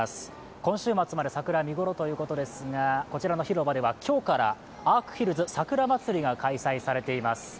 今週末まで桜、見頃ということですがこちらの広場では今日からアークヒルズさくらまつりが開催されています。